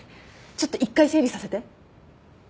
ちょっと一回整理させて。